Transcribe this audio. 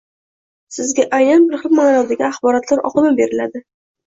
sizga aynan bir xil maʼnodagi axborotlar oqimi beriladi.